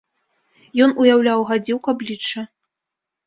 Ён уяўляў гадзюк аблічча.